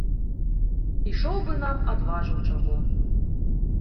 Ішоў бы нам адважыў чаго.